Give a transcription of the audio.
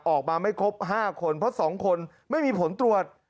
ออกมาไม่ครบ๕คนเพราะ๒คนไม่มีผลตรวจ